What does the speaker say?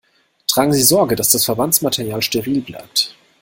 Tragen Sie Sorge, dass das Verbandsmaterial steril bleibt.